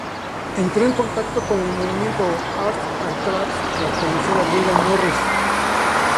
Entró en contacto con el movimiento "Arts and Crafts" tras conocer a William Morris.